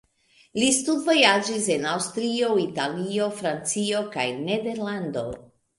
Li studvojaĝis en Aŭstrio, Italio, Francio kaj Nederlando.